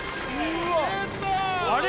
あれ？